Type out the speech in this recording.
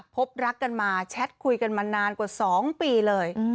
พบรักกันมาแชทคุยกันมานานกว่า๒ปีเลย